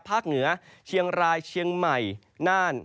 เหนือเชียงรายเชียงใหม่น่าน